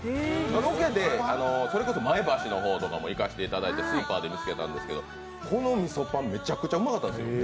ロケでそれこそ前橋の方とかも行かせていただいてスーパーで見つけたんですけどこのみそぱん、めちゃくちゃうまかったんですよ。